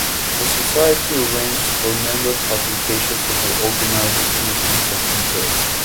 The society arranges for member publications and organizes meetings and events.